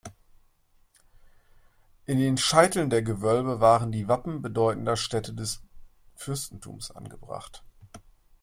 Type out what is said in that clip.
In den Scheiteln der Gewölbe waren die Wappen bedeutender Städte des Fürstentums angebracht.